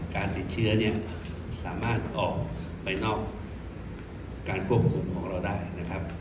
การติดเชื้อเนี่ยสามารถออกไปนอกการควบคุมของเราได้นะครับ